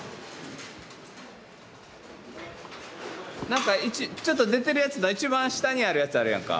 なんかちょっと出てるやつだ一番下にあるやつあるやんか。